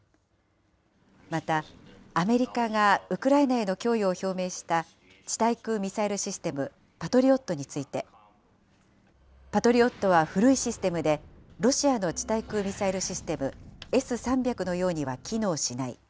また、アメリカがウクライナへの供与を表明した地対空ミサイルシステム、パトリオットについて、パトリオットは古いシステムで、ロシアの地対空ミサイルシステム、Ｓ３００のようには機能しない。